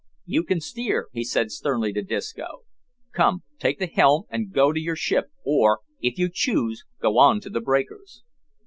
"You can steer," he said sternly to Disco. "Come, take the helm an' go to your ship; or, if you choose, go on the breakers."